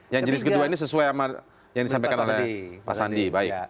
yang jenis kedua ini sesuai sama yang disampaikan oleh pak sandi